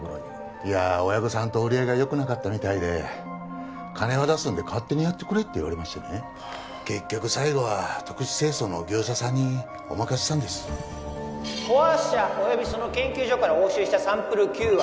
いやー親御さんと折り合いがよくなかったみたいで金は出すんで勝手にやってくれって言われましてね結局最後は特殊清掃の業者さんにお任せしたんですコ・アース社およびその研究所から押収したサンプル Ｑ は